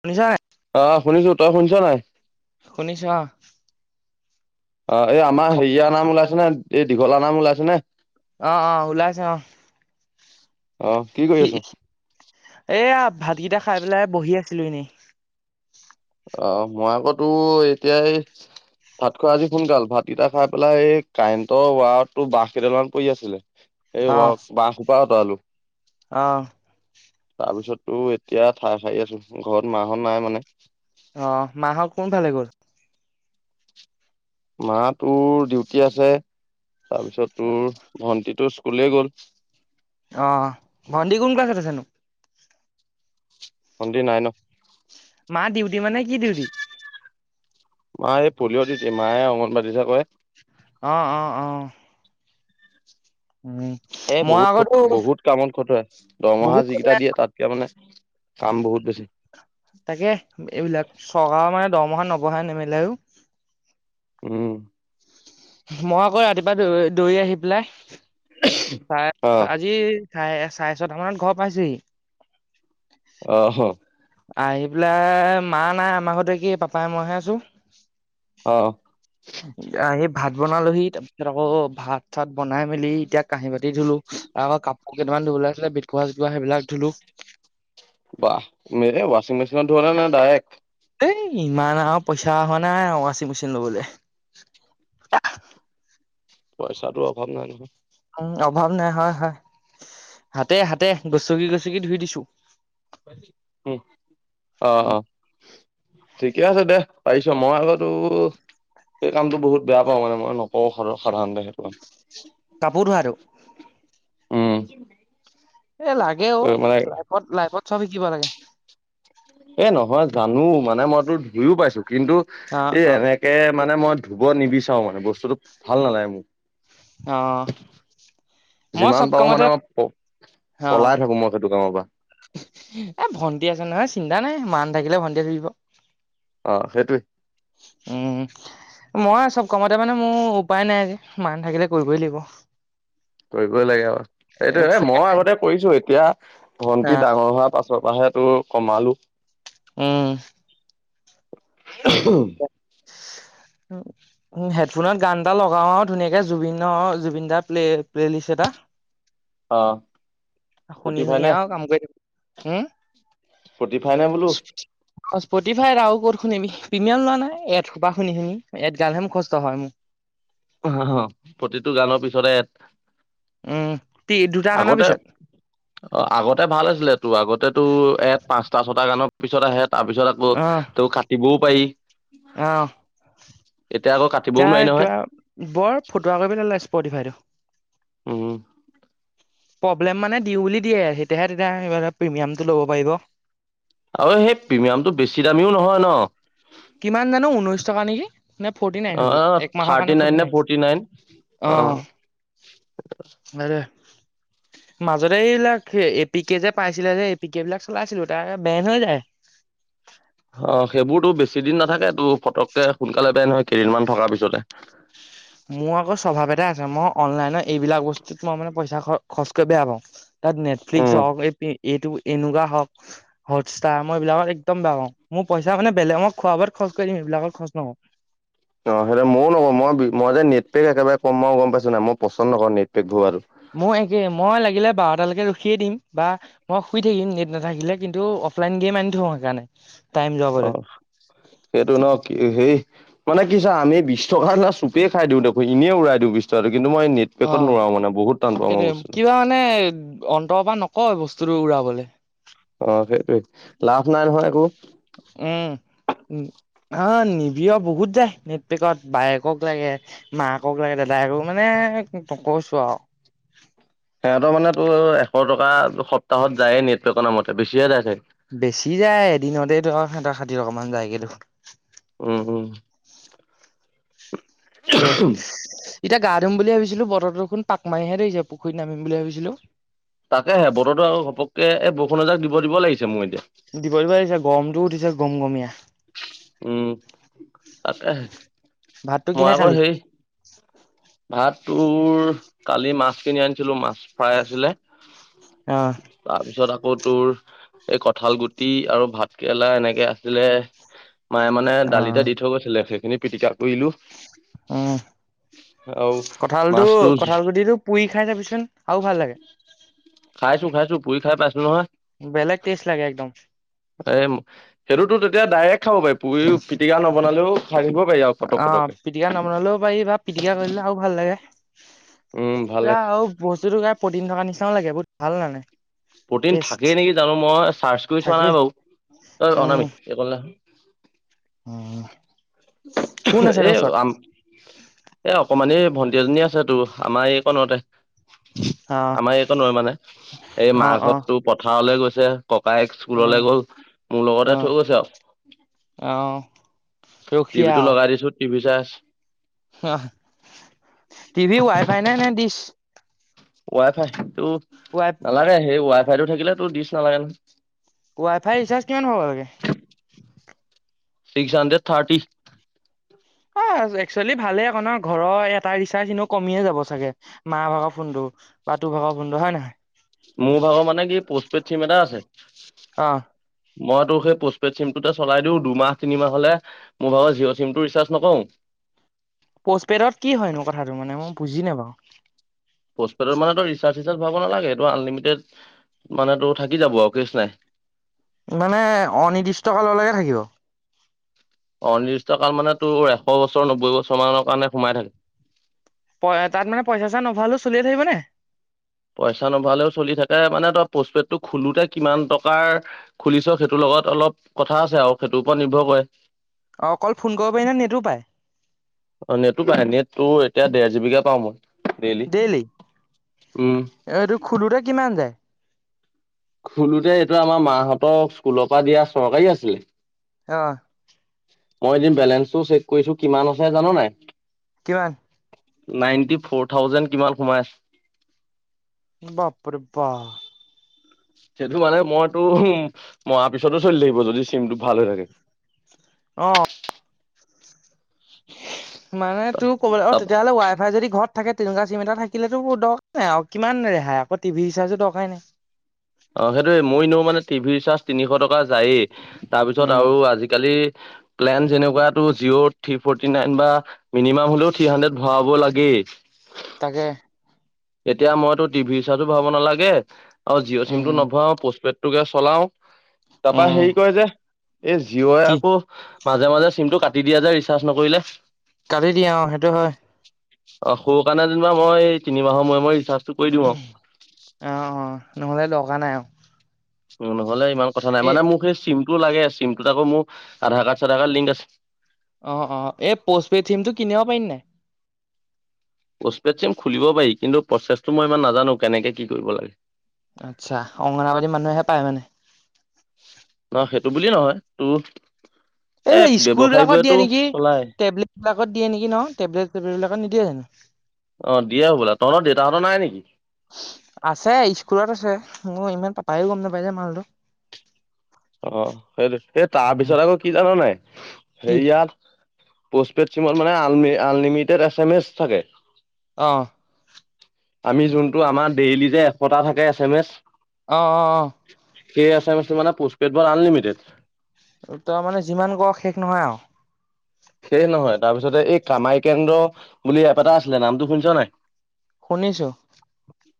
শুনিছা নে নাই? অ', শুনিছো। তই শুনিছ নাই? শুনিছোঁ, অ'। অ, এই আমাৰ হেৰিয়াৰ নাম ওলাইছে নে এই দিব্য দাৰ নাম ওলাইছে নে? অ, অ, ওলাইছে, অহ। অ কি কৰি সি আছ এথি, এয়া ভাতকেইটা খাই পেলাই বহি আছিলোঁ এনেই। অ', মই আক' তোৰ, এতিয়া হেই ভাত খোৱা আজি সোনকাল। ভাতকেইটা খাই পেলাই এই কাৰেণ্টৰ ৱাৰত, টোৰ বাঁহ কেইডালমান পৰি আছিলে। এই ৱা, বাঁহ সোপা অতৰালোঁ। আহ। তাৰপিছত তোৰ, এতিয়া ঠাই সাৰি আছোঁ। ঘৰত মা-হঁত নাই মানে। অহ, মা-হঁত কোন ফালে গ'ল? মা তোৰ ডিউটি আছে। তাৰপিছত তোৰ ভন্টিটো স্কু ললে গ'ল। অ, ভণ্টি কোন ক্লাছত আছেনো? ভণ্টী নাই ন! মাৰ ডিউটি মানে, কি ডিউটি? মা এই পলিঅ' ডিউটি। মায়ে অংগনবাড়ীত হে কৰে৷ অ', অ', অ'। উম, এ মই বহুত খ, আগতো বহুত কামত খটুৱায়। দৰমহা বহুত যিকেইটা দিয়ে, তাতকে মানে কাম বহুত বেছি৷ তাকে, এইবিলাক চৰকাৰৰ মানে দৰমহা ন'বহায় নেমেলেও উম। মই আকৌ ৰাতিপুৱা দৌ-দৌৰি আহি পেলাই, আহ [unintelligible] আজি চাৰে, চাৰে ছটামানত ঘৰ পাইছোঁহি। অহ। আহি পেলাই, মা নাই আমাৰ ঘৰতে কি পাপাই, মইহে আছোঁ। অহ। আহি ভাত বনালোঁহি৷ তাৰ পিছত আকৌ, ভাত-চাত বনাই মেলি এতিয়া কাঁহি-বাত ধুলোঁ৷ আকৌ কাপোৰকেইটামান ধুবলৈ আছিলে বেডক'ভাৰ-চেতক'ভাৰ সেইবিলাক ধুলোঁ ৷ বাহ! এ, হে, ৱাশ্বিং মেচিনত ধোৱা নে? নে ডাইৰেক্ট? এই ইমান আৰু পইচা হোৱা নাই আৰু ৱাশ্বিং মেচিন ল'বলৈ। পইচা তোৰ অভাৱ নাই নহয়৷ উ, অভাৱ নাই। হয়, হয়৷ হাতে, হাতে গছকি, গছকি ধুই দিছোঁ। উ অ', উ অ', ঠিকে আছে দে পাইছ মই হ'লে তো সেই কামটো বহুত বেয়া পাওঁ মানে মই নকও সাধা- সাধাৰণতে সেইটো কাম কাপোৰ ধোৱাটো? উহ। এ লাগে অ'৷ লাইফত, লাইফত চব শিকিব লাগে৷ এ নহয় জানো মানে মইতো ধুইও পাইছো, কিন্তু অ এই অ এনেকে মানে মই ধুব নিবিচাৰোঁ৷ চাও মানে বস্তুটো ভাল নালাগে মোৰ অ মই যিমান চব পাৰো কামতে মানে মই প অ পলাই থাকো মই সেইটো কামৰ পৰা৷ এ ভণ্টি আছে নহয় চিন্তা নাই মা নাথাকিলে ভণ্টি ধুই দিব৷ অ সেইটোৱে উম, মই চব কামতে মানে মোৰ উপায় নাই যে, মা নাথাকিলে কৰিবই লাগিব৷ কৰিবই লাগে আৰু, সেইটোয়ে মই আগতে কৰিছো এতিয়া এ ভন্টি ডাঙৰ হোৱাৰ পাছত তাপা হে তোৰ কমালো উম [inaudible] হেডফোনত গান এটা লগাও আৰু ধুনীয়াকে জুবিন জুবিন দাৰ প্লে প্লে লিষ্ট এটা অ', শুনি, স্পটিফাই শুনি নে আৰু কাম কৰি থাকি স্পটিফাই নে বোলো অ', স্পটিফাই আও ক'ত শুনিবি? প্ৰিমিয়াম লোৱা নাই এড সোপা শুনি, শুনি, এড গালহে মোৰ মুখস্থ হয় মোৰ হয়, হয় প্ৰতিটো গানৰ পিছতে এড উম তি দুটা গানৰ আগতে পিছত অ', আগতে ভাল আছিলে তোৰ আগতে তো এ পাঁচটা ছটা গানত পিছত আহে তাৰ পিছত আকৌ অহ তোৰ কাটিবও পাৰি অহ এতিয়া আকৌ কাটিবও এতিয়া নোৱাৰি নহয় কিবা বৰ ফুটুৱা কৰি পেলালে স্পটিফাইটো উম প্ৰব্লেম মানে দি বুলি দিয়ে, তেতিয়াহে তেতিয়া প্ৰিমিয়ামটো ল'ব পাৰিব আৰু সেই প্ৰিমিয়ামটো বেছি দামীও নহয় ন কিমান জানো, ঊনৈশ টকা নেকি? নাই ফৰ্টি নাইন অ হবলা, এক মাহৰ কাৰণে ফৰ্টি নাইন অ', [unintelligible] [unintelligible] মাজতে এইবিলাক এপি কে যে পাইছিলে যে এপি কে বিলাক চলাইছিলো তাৰ বেন হৈ যায় [unintelligible] অ', সেইবোৰতো বেছি দিন নাথাকে তটো পটককে সোনকালে পায় নহয় কেইদিনমান থকাৰ পিছতে মোৰ আকৌ স্বভাৱ এটা আছে মই অনলাইন এইবিলাক বস্তুত মই মানে পইচা খৰচ কৰি বেয়া পাওঁ তাত উম নেটফ্লিক্স হওক এই এইটো এনেকুৱা হওক হটষ্টাৰ মই এইবিলাকত একদম বেয়া পাওঁ। মোৰ পইচা মানে বেলেগক খোৱা বোৱাত খৰচ কৰি দিম সেইবিলাকৰ খৰচ নকৰো অ', সেইটো ময়ো নকওঁ মই মই যে নেটপেক একেবাৰে কম মই গম পাইছো নাই মই পচন্দ নকৰোঁ নেটপেকবোৰ আৰু মোৰ একে মই লাগিলে বাৰু আপালৈকে ৰখিয়ে দিম বা মই শুই থাকিম নেট নাথাকিলে কিন্তু অফলাইন গেম আনি থো সেইকাৰণে টাইম যাবলৈ অ', সেইটো ন কি হেই মানে কিছা আমি বিশ টকাৰ না চুপে খাই দিওঁ দেখো এনেই উৰাই দিওঁ বিশ টকা কিন্তু মই নেট অ পেকত নোৰাও মানে বহুত টান পাওঁ মই সেইটোৱে বস্তুটো হয় বস্তুটো উৰাবলে অ সেইটোৱে লাভ নাই নহয় একো উম, উম অ নিবিৰৰ বহুত যায় নেটপেকত বায়েকক লাগে মাকক লাগে দাদাইকো মানে এ কি কৈছো আৰু সিহঁতৰ মানে তো এশ টকা সপ্তাহত যায়ে নেটৱৰ্কৰ ন মতে বেছিহে যায় চাগে বেছি যায় এদিনতেতো আৰু সিহঁতৰ ষাঠি টকাামান যায়গেতো উম উম এ, এতিয়া গা ধুম বুলি ভাবিছো বতৰতো দেখুোন পাক মাৰিহে ধৰিছে পুখুৰীত নামিম বুলি ভাবিছিলো তাকেহে বতৰৰতো আৰু ঘপককে এই বৰষুণ এজাক দিব দিব লাগিছে মোৰ এতিয়া দিব দিবা দিছে গমটোো উঠিছে গম গমীয়া উম তাকে ভাতটো মই কিহে আকৌ খালি হে ভাত তোৰ কালি মাছ কিনি আনিছিলো মাছ ফ্ৰাই আছিলে অ তাৰপিছত আকৌ কাপৌ তোৰ এই কঁঠাল গুটি আৰু ভাত কেেৰেলা এনেকে আছিলে মায়ে মানে অ দালিতে দি থৈ গৈছিলে সেইখিনি পিটিকা কৰিলো উম আৰু কঁঠালটো মাছটো কঠাল গুটটো পুৰি খাই যাবিচোন আৰু ভাল লাগে খাইছো খাইছো পুৰি খাই পাইছো নহয় বেলেগ টেষ্ট লাগে একদম এ সেইটোতো তেতিয়া ডাইৰেক্ট খাব পাৰি পুৰি পিটিকা নবনালেও খাই থাকিব পাৰি আৰু কটক অ কটককে পিটিকা নবনালেও পাৰিবা পিটিকা কৰিলে আৰু ভাল লাগে উম ভাল পৰা লাগে আৰু বস্তুত পটিন থকা নিচিও লাগে ব ভাল নানে প্ৰটিন থাকেই নেকি জানো মই চাৰ্চ কৰি চোৱা থাকেই নাই বাৰুঐ অনামিত কলে অ এ আম এ অকমানে ভণ্টিাজী আছে তো আমাৰ এই কণতে অ আমাৰ একো নোৱাৰ মানে এই অ অ মাহঘৰতটো পথাৰলে গৈছে ককায়েক অ স্কুললে গ'ল মোৰ লগতে থৈ অ গৈছে আৰু অ টিভি টো লগাই দিছো টিভি চাৰ্জ অ িভি ৱাই ফাই নাই নে ডিশ ৱাই ফাইটো নালাগে সেই ৱাই ফাই টো থাকিলে তো দিচ নালাগে নহয় ৱাই ফাই ৰিচাৰ্জ কিমান হ'ব লাগে ছিক্স আ থাৰ্টি অ এক্চুৱেলি ভালে ন ঘৰৰ এটা ৰিচাৰ্জ এ কমিয়ে যাব চাগে মা ভাগৰ ফোনটো বা তটো ভগৱ বন্ধু হয় নে নহয় মোৰ ভাগৰ মানে কি পোষ্টপেড চিম এটা আছে অ মইতো সেই পোষ্টপেড চিমটোতে চলাই দিওঁ দুমাহ তিনিমাহ হলে মোৰ ভাগ জিঅ' চিমটো ৰিচাৰ্জ নকও? পষ্টপেডত কি হয়নো কথাটো মানে মই বুজি নাপাওঁ প'ষ্টপেডৰ মানে তই ৰিচাৰ্জ চিচাৰ্জ ভয়াব নালাগে এইটো তই আনলিমিটেড মানে তো থাকি যাব আউ কেচ নাই। মানে অনিৰ্দিষ্ট কাললৈকে থাকিব? অনিৰ্দিষ্ট কাল মানে তোৰ এশ বছৰ নব্বৈ বছৰ মানৰ কাৰণে সোমাই থাকে। প এ তাত মানে পইচা চা নভয়ালেও চলিয়ে থাকিব নে? পইচা নভৰালেও চলি থাকে মানে তই পোষ্টপেডটো খোলোতে কিমান টকাৰ খুলিছ সেইটো লগ ত অলপ কথা আছে আৰু সেইটোৰ ওপৰত নিৰ্ভৰ কৰে। অ অকল ফোন কৰিব পাৰি নে নেটো পায়? অ নেটো পায় নেট টো এতিয়া দেৰ জি বি কে পাও মই। ডেইলি দেইলি, অ উম এইটো খোলোতে কিমান যায়? খোলোতে এইটো আমাৰ মাহঁতক স্কুলৰ পৰা দিয়া চৰকাৰী আছিলে। অহ। মই এদিন বেলেঞ্চটো চেক কৰিছো কিমান আছে জান নে নাই? কিমান? নাইনটি ফৰ থাউজেণ্ড কিমান সোমাই আছে। বাপৰে বা। সেইটো মানে মইতোৰ মৰাৰ পিছতো চলি থাকিব যদি চিমটো ভাল হৈ থাকে। অ। মানে তোৰ ক'ব অ তাপ তেতিয়া হ'লে ৱাই ফাই যদি ঘৰত থাকে তেনকুৱা চিম এটা থাকিলেতো মোৰ দৰকাৰ নাই আৰু কিমান ৰেহাই আক টিভি ৰিচাৰ্জো দৰকাই নাই। অ সেইটোয়ে মই ইন মানে টিভিৰ চাৰ্জ তিনিশ টকা যায়েই তাৰপিছত উম আৰু আজিকালি প্লেন যেনেকুৱা টো জিঅ' থ্ৰী ফৰ্টি নাইন বা মিনিমাম হলেও থ্ৰী হাণ্ড্ৰেড ভৰাব লাগেই। তাকে। এতিয়া মইতো টিভি ৰিচাৰ্জো ভৰাব নালাগে আৰু জিঅ' উম চিমটো নভৰাও পষ্টপেড টোকে চলাও তাৰপৰা উম হেৰি কয় যে এই জীঅ'ই কি আকৌ মাজে মাজে চিমটো কাটি দিয়া যে ৰিচাৰ্জ নকৰিলে? কাটি দিয়ে অ সেইটো হয়। অ সৰু কাৰণে যেনিবা মই তিনিমাহৰ ময় ময় অ অ নহলে লগা নাই আও। নহ'লে ইমান কথা নাই মানে মোক সেই চিমটো লাগে চিমটোত আকৌ মোৰ আধাৰ কাৰ্ড চাধা কাৰ্ড লিংক আছে। অ অ এই প'ষ্ট পেইড চিমটো কিনিব পাৰিম নাই পষ্পেট চিম খুলিব পাৰি কিন্তু প্ৰচেছটো মই ইমান নাজানো কেনেকে কি কৰিব লাগে। আতছা অংগনাবাদী মানুহে পায় মানে? বুলিয়ে নহয় তো এইবিলাক স্কুল বিলাকত দিয়ে নেকি, চলাই টেবলেট বিলাকত দিয়ে নেকি ন, টেবলেট চেবলেট বিলাকত নিদিয়ে জানো? অ দিয়ে হবলা তহঁত দেউতাহতঁৰ নাই নেকি? আছে স্কুলত আছে মোৰ ইমান পাপায়ো গম নাপাই যে মালটো। অ সেইটো, এই তাৰপিছত আক কি জান নে নাই কি হেয়াত পষ্টপেড চিমত মানে আল আলনিমিটেড এছ এম এছ থাকে। অ। আমি যোনটো আমাৰ ডেইলি যে এশতা থাকে এছ এম এছ। অ অ অ। কে এছ এম এছটো মানে পোষ্টপেডত আনলিমিটেড। তই মানে যিমান ক শেষ নহয় আও। সেস নহয় তাৰপিছতে এই কামাই কেন্দ্ৰ বুলি এপ এটা আছিলে নামটো শুনিছ নে নাই? শুনিছো।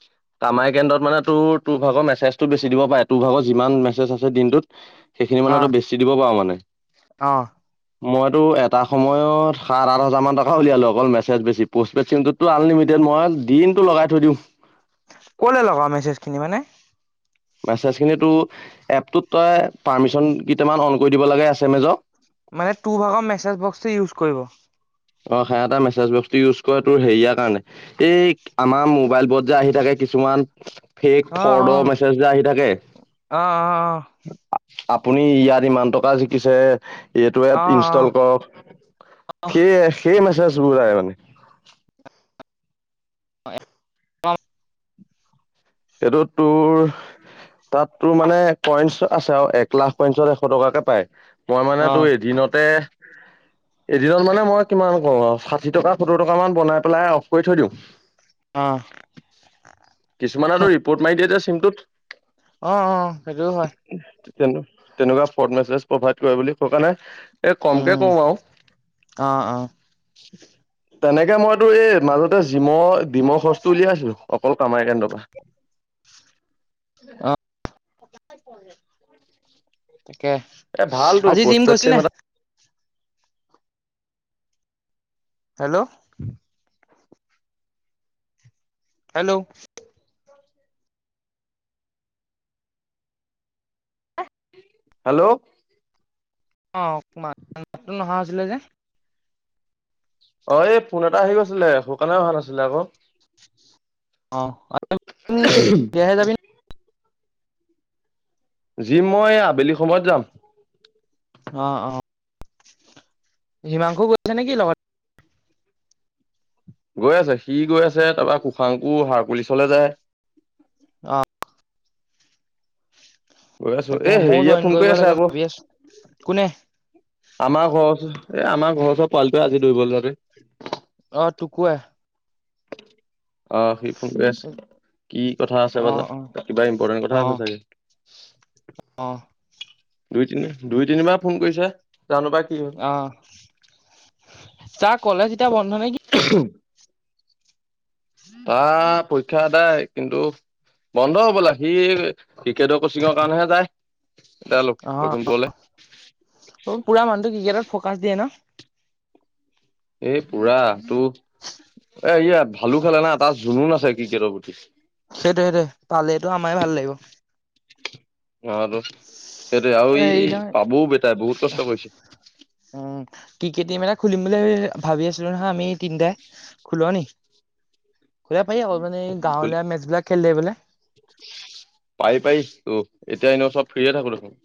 [inaudible] কামাই কেন্দ্ৰত মানে তোৰ তো ভাগৰ মেছেজটো বেছি দিব পাৰে টো ভাগ যিমান মেছেজ আছে দিনটোত। সেইখিনি অ মানে তই বেছি দিব পাঅ মানে। অ। মইতোৰ এট টা সময়ত সাত আঠ হাজাৰমান টকা উলিয়ালো অকল মেছেজ বেছি পষ্টেড চিমটোতো আনলিমিটেড মই দিম টো লগাই থৈ দিওঁ। ক'লে লগা মেছেজখিনি মানে। মেছেজখিনিটো এপটোত তই পাৰ্মিচন কেইটামান অন কৰি দিব লাগে এচে মেজ মানে তো ভাগ মেছেজ বক্স ইউজ কৰিব। অ সেহেতে মেছেজ বক্সটো ইউজ কৰে তোৰ হেৰিয়াৰ কাৰণে এই আমাৰ মোবাইলবোৰত যে আহি থাকে কিছুমান ফেক অ অ ফ্ৰডৰ মেছেজ যে আহি থাকে। অ আপুনি ইয়াত ইমান টকা জিকিছে এইটো এপ অ অ ইনষ্টল কৰক এইয়ে সেই মেছেজবোৰ আহে মানে। [unintelligible] সেইটো তোৰ তাতো মানে পইঞ্চ আছে আও এক লাখ পইঞ্চত এশ টকাকে পায়। মই মানে অ অ তো এদিনতে এদিনত মানে মই কিমান ক ষাঠি টকা সত্তৰ টকা মান বনাই পেলাই অফ কৰি থৈ দিওঁ। অ। কিছুমানে ত ৰিপৰ্ট মাৰি দিয়ে দে চিমটোত অ অ সেইটোও হয় তেনেকুৱা ফ্ৰড মেছেজ প্ৰভাইড কৰে বুলি কথা নাই এই কম কে উম কওঁ আৰু অ অ তেনেকে মইতো এই মাজতে জিমৰ ডিমৰ খৰচটো উলিয়াইছিলো অকল কামাই কেন্দ্ৰৰ পৰা। [inaudible] অ। তাকে এ ভালতো আজি জিম পষ্টপেড চিম গৈছিলে এটা হেল্ল' হেল্ল' হেল্ল' অ অকমানো নহা হৈছিলে যে অ এই ফোন এটা আহি গৈছিলে সেইকাৰণে অহা নাছিলে আকৌ অ বিয়াহে যাবি জিম মই এই আবেলি সময়ত যাম অ অ হিমাংশু গৈছে নেকি লগত গৈ আছে সি গৈ আছে তাৰপৰা কুশাংকু সাৰ পুলিচলে যায় অ গৈ আছো তাকে এ ময়ো হেৰিয়াত জইন ফোন কৰিব কৰি আছা লাগে আকৌ ভাবি আছো কোনে আমাৰ ঘৰৰ ওচতৰ আমাৰ ঘৰৰ ওচৰৰ পোৱালটোৱে আজি দৌৰিবলৈ যোৱাতোৱে অ টুকুুৱে অ সি ফোন কৰি আছে কি কথা আছে অ বা অ কিবা ইম্পৰ্টেণ্ট অ কথা আছে চাগে অ দুই তিনি দুই তিনিবাৰ ফোন কৰিছে জানো পায় কি হল অ তাৰ কলেজ এতিয়া বন্ধ নে কি তাৰ পৰীক্ষা এটাই কিন্তু বন্ধ হবলা সি ক্ৰিকেটৰ কোচিংৰ কাৰণেহে যায় এতিয়া লখ অ অ লখিমপুৰলে পোৰা মানুহটো ক্ৰিকেটত ফ্ৰকাচ দিয়ে ন এই পোৰা টো এ ই ভালো খেলে না তাৰ জুনুন আছে ক্ৰিকেটৰ প্ৰতি সেইটো সেইটোৱে পালেটো আমাৰে ভাল লাগিব অতো সেইটে আৰু হেৰি এই নহয় পাবও বেটাই বহুত কষ্ট কৰিছে। কিিকটিম এটা খুলিম বুলি ভাবি আছিলো নহয় আমি তিনিটাই খোলা ন সুধা পাৰি অকল মানে গাঁৱলীয়া মেচবলাক খেললেে বোলে। পাইি পাৰ ত এতিয়া এনেও চব ফ্ৰে থাকো দেখোন